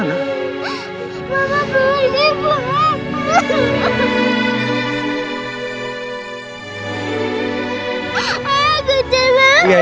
ayah ikut mama